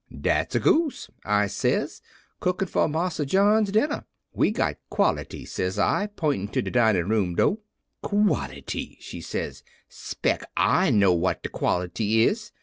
"'Dat's a goose,' I says, 'cookin' for Marsa John's dinner. We got quality,' says I, pointin' to de dinin' room do'. "'Quality!' she says. 'Spec' I know what de quality is.